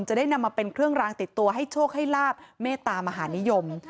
จะได้นำมาเป็นเครื่องรางติดตัวให้โชคให้ลาบเมตตามหานิยม